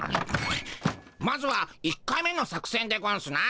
まずは１回目の作戦でゴンスな。